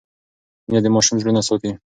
مینه د ماشوم زړونه ساتي.